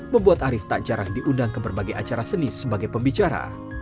membuat arief tak jarang diundang ke berbagai acara seni sebagai pembicara